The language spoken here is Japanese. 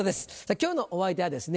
今日のお相手はですね